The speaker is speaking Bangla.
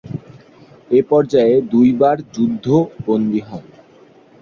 এ পর্যায়ে দুইবার যুদ্ধ বন্দী হন।